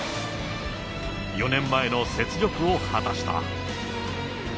４年前の雪辱を果たした。